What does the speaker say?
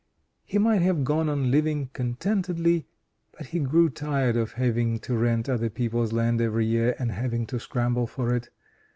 He might have gone on living contentedly, but he grew tired of having to rent other people's land every year, and having to scramble for it.